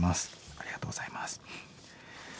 ありがとうございます。